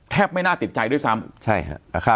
ไม่น่าติดใจด้วยซ้ำ